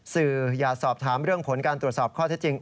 อย่าสอบถามเรื่องผลการตรวจสอบข้อเท็จจริง